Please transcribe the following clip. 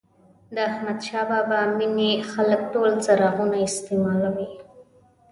د احمدشاه بابا مېنې خلک ټول څراغونه استعمالوي.